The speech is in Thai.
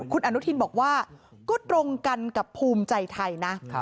คุณอนุทินบอกว่าก็ตรงกันกับภูมิใจไทยนะ